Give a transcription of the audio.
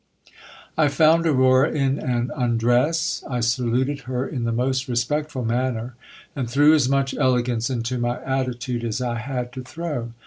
I FOUND Aurora in an undress. I saluted her in the most respectful manner, and threw as much elegance into my attitude as I had to throw.